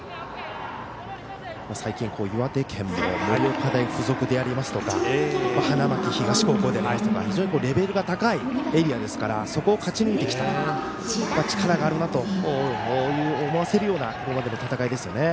最近、岩手県も盛岡大付属でありますとか花巻東高校ですとかレベルの高いエリアですからそこを勝ち抜いてきたのは力があるなと思わせるようなここまでの戦いですよね。